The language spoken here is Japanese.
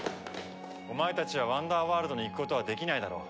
お前たちはワンダーワールドに行くことはできないだろ。